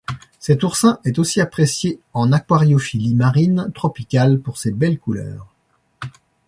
Cet oursin est aussi apprécié en aquariophilie marine tropicale pour ses belles couleurs.